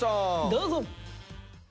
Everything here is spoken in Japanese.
どうぞ。